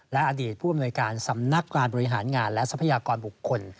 และอดีตผู้อำนวยการสำนักการบริหารงานและทรัพยากรบุคคล